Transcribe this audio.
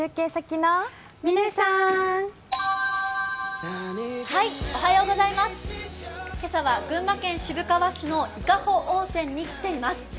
今朝は群馬県渋川市の伊香保温泉に来ています。